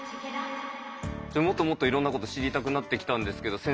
もっともっといろんなこと知りたくなってきたんですけど先生